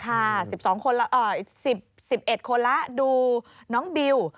ค่ะ๑๑คนละดูน้องบิว